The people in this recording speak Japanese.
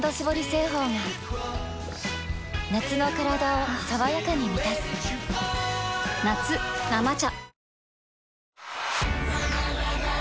製法が夏のカラダを爽やかに満たす夏「生茶」